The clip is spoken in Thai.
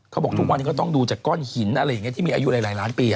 เขาบอกว่าทุกวันก็ต้องดูจากก้อนหินที่มีอายุหลายล้านปี